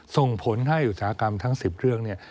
ส่งผลให้อุตสาหกรรมทั้ง๑๐เครื่องเนี่ย